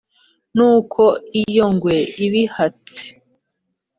nuko iyo ngwe ibihatse